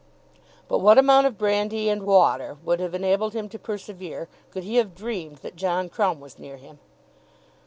But what amount of brandy and water would have enabled him to persevere, could he have dreamed that John Crumb was near him?